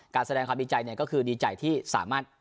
แสดงความดีใจก็คือดีใจที่สามารถ